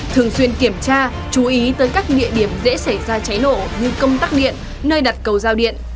thường xuyên kiểm tra chú ý tới các địa điểm dễ xảy ra cháy nổ như công tắc điện nơi đặt cầu giao điện